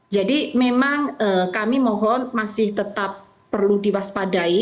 memang kami mohon masih tetap perlu diwaspadai